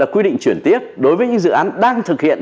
quy định chuyển tiếp đối với những dự án đang thực hiện